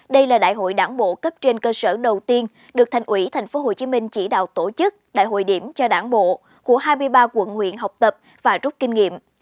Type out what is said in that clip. đây là đại hội đảng bộ cấp trên cơ sở đầu tiên được thành ủy thành phố hồ chí minh chỉ đạo tổ chức đại hội điểm cho đảng bộ của hai mươi ba quận huyện học tập và rút kinh nghiệm